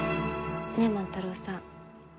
ねえ万太郎さん